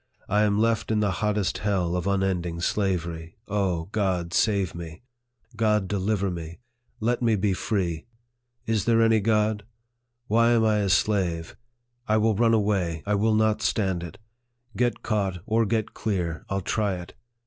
I am left in the hottest hell of un ending slavery. O God, save me ! God, deliver me ! LIFE OF FREDERICK DOUGLASS. 65 Let me be free ! Is there any God ? Why am I a slave ? I will run away. I will not stand it. Get caught, or get clear, I'll try it.